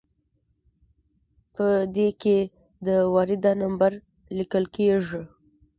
په دې کې د وارده نمبر لیکل کیږي.